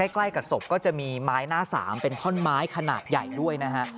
ใกล้กับศพก็จะมีไม้หน้าสามเป็นท่อนไม้ขนาดใหญ่ด้วยนะฮะ